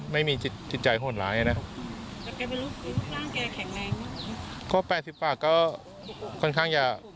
ไม่มีจิตใจโหดหลาย